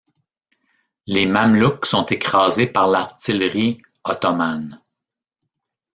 Les Mamelouks sont écrasés par l’artillerie ottomane.